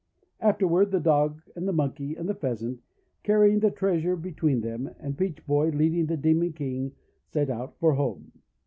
Afterward the Dog, and the Monkey, and the Pheasant, carrying the treas ure between them, and Peach Boy, leading the Demon King, set out for home.